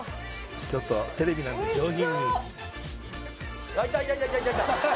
ちょっとテレビなんで上品においしそう！